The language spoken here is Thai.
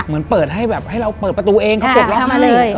เหมือนเปิดให้แบบให้เราเปิดประตูเองเขาเปิดเราให้